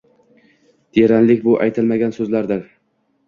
Teranlik bu — aytilmagan so’zlardadir.